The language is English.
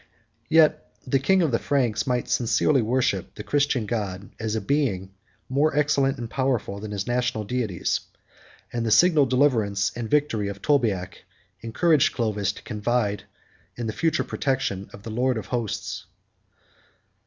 32 Yet the king of the Franks might sincerely worship the Christian God, as a Being more excellent and powerful than his national deities; and the signal deliverance and victory of Tolbiac encouraged Clovis to confide in the future protection of the Lord of Hosts.